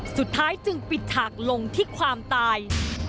สุดท้ายจึงปิดฉากลงที่ความตาย